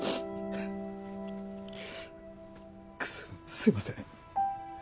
すいません。